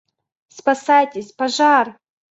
Спасайтесь, пожар!